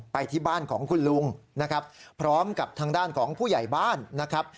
ไปที่บ้านของคุณลุงนะครับพร้อมกับทางด้านของผู้ใหญ่บ้านนะครับ